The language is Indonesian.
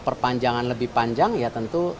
perpanjangan lebih panjang ya tentu